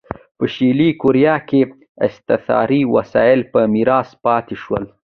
په شلي کوریا کې استثاري وسایل په میراث پاتې شول.